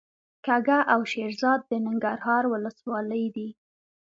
کږه او شیرزاد د ننګرهار ولسوالۍ دي.